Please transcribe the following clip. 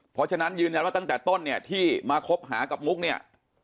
เพราะฉะนั้นยืนยันว่าตั้งแต่ต้นเนี่ยที่มาคบหากับมุกเนี่ย